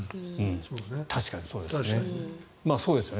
確かにそうですね。